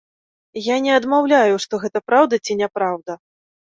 Я не адмаўляю, што гэта праўда ці не праўда.